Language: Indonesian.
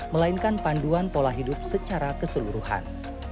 melainkan panduan pola hidup secara keseluruhan